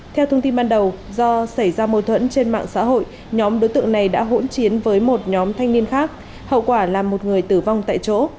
theo thông tin ban đầu do xảy ra mâu thuẫn trên mạng xã hội nhóm đối tượng này đã hỗn chiến với một nhóm thanh niên khác hậu quả là một người tử vong tại chỗ